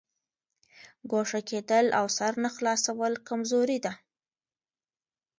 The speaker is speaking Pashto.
ګوښه کېدل او سر نه خلاصول کمزوري ده.